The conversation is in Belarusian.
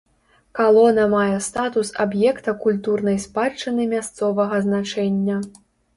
Калона мае статус аб'екта культурнай спадчыны мясцовага значэння.